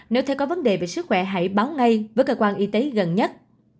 nếu thấy có vấn đề về sức khỏe hãy báo ngay với cơ quan y tế gần nhất